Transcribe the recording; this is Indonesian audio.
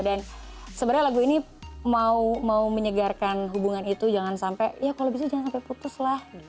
dan sebenarnya lagu ini mau menyegarkan hubungan itu jangan sampai ya kalau bisa jangan sampai putus lah